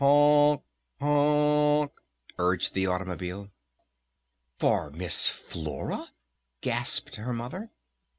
"Honk honk!" urged the automobile. "For Miss Flora?" gasped her Mother.